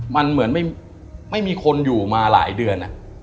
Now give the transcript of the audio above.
มันเหมือนไม่มีคนอยู่มาหลายเดือน